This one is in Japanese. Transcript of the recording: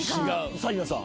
紗理奈さん。